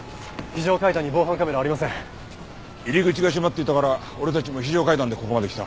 入り口が閉まっていたから俺たちも非常階段でここまで来た。